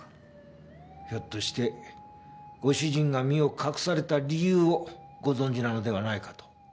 ひょっとしてご主人が身を隠された理由をご存じなのではないかと。